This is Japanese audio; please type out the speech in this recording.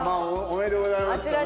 おめでとうざいます。